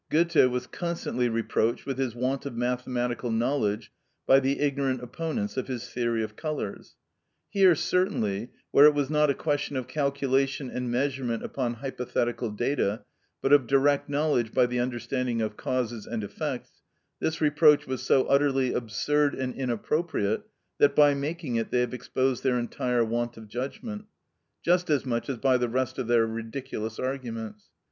Goethe was constantly reproached with his want of mathematical knowledge by the ignorant opponents of his theory of colours. Here certainly, where it was not a question of calculation and measurement upon hypothetical data, but of direct knowledge by the understanding of causes and effects, this reproach was so utterly absurd and inappropriate, that by making it they have exposed their entire want of judgment, just as much as by the rest of their ridiculous arguments.